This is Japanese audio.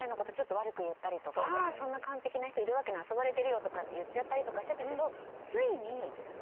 悪く言ったりとか「そんな完璧な人いるわけない遊ばれてるよ」とかって言っちゃったりとかしてたけど。